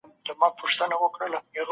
خدایه ته زموږ رب او پالونکی یې.